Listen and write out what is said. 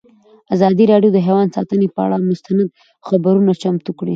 ازادي راډیو د حیوان ساتنه پر اړه مستند خپرونه چمتو کړې.